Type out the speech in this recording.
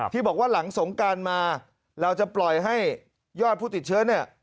ที่บอกว่าหลังสงการมาเราจะปล่อยให้ยอดผู้ติดเชื้อเนี่ย